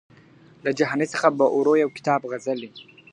له جهاني څخه به اورو یو کتاب غزلي .